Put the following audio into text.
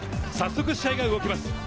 早速試合が動きます。